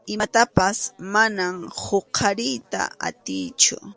Imatapas manam huqariyta atiychu.